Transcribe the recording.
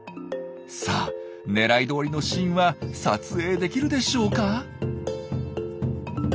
さあ狙いどおりのシーンは撮影できるでしょうか？